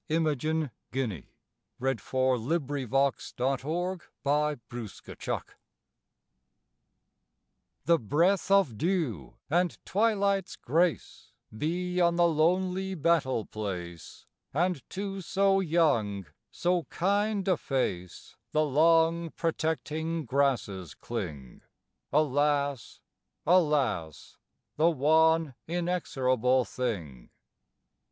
A Friend's Song for Simoisius THE breath of dew, and twilight's grace, Be on the lonely battle place; And to so young, so kind a face, The long, protecting grasses cling! (Alas, alas, The one inexorable thing!)